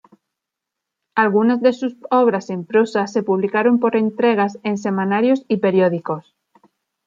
Algunas de sus obras en prosa se publicaron por entregas en semanarios y periódicos.